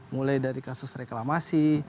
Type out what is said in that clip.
mulai dari kasus reklamasi